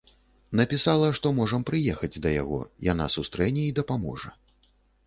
Напісала, што можам прыехаць да яго, яна сустрэне і дапаможа.